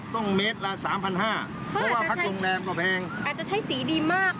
เมตรละสามพันห้าเพราะว่าพัดโรงแรมก็แพงอาจจะใช้สีดีมาก